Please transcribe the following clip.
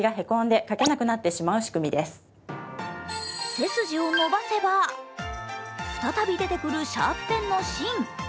背筋を伸ばせば再び出てくるシャープペンの芯。